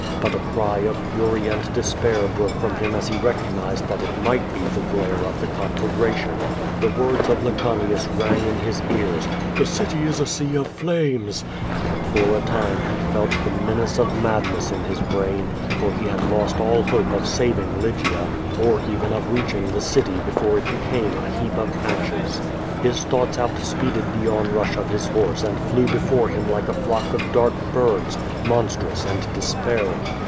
Rut a cry of fury and despair broke from him as he recognized that it might be the glare of the conflagration. The words of Ijccanius rang in his ears. "The city is a sea of flames," an«l for a time he felt the menace of madness in his brain, for lie had lost all hope of saving Lygia, or even of reaching the city before it became a lieap of ashes. His thoughts outspeeded the onrush of his horse and flew before him like a flock of dark birds, monstrous and dt^spairing.